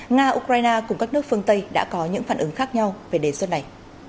nga ukraine cùng các nước phương tây đã có những phản ứng khác nhau về đề xuất này